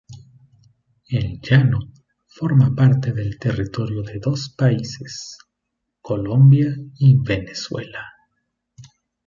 El Llano forma parte del territorio de dos países, Colombia y Venezuela.